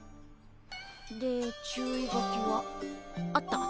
で注意書きはあった。